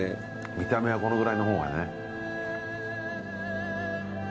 見た目はこのくらいのほうがね。